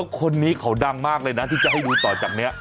คนนี้เขาดังมากเลยนะที่จะให้ดูต่อจากนี้